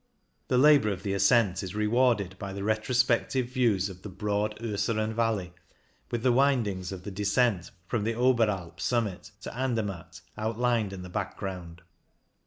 The labour of the ascent is rewarded by the retrospective views of the broad Urseren valley, with the windings of the descent from the Oberalp summit to An dermatt outlined in the background.